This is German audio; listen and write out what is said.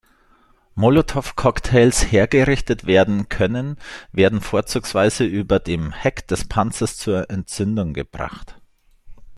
Molotowcocktails hergerichtet werden können, werden vorzugsweise über dem Heck des Panzers zur Entzündung gebracht.